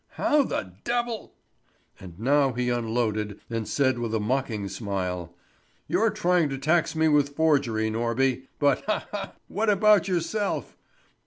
How the d ? And now he unloaded and said with a mocking smile: "You're trying to tax me with forgery, Norby, but ha! ha! what about yourself?"